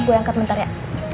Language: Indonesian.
gue angkat bentar ya